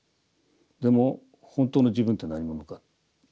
でも本当の自分って何者か。